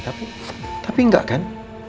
tapi tapi enggak kan